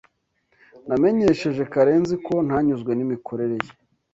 Namenyesheje Karenzi ko ntanyuzwe nimikorere ye.